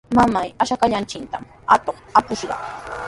¡Mamay, ashkallanchiktami atuq apakushqa!